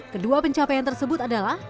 kedua pencapaian tersebut adalah